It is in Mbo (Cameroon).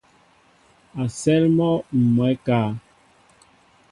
A sέέl mɔ mwɛɛ ékáá.